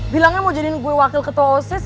bilangnya mau jadiin gue wakil ketua osis